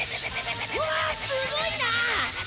わすごいな！